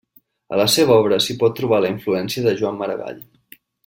A la seva obra s'hi pot trobar la influència de Joan Maragall.